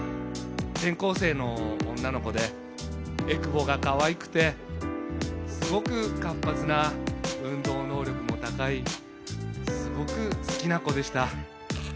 転校生の女の子でえくぼがかわいくてすごく活発な、運動能力も高いすごく好きな子でした。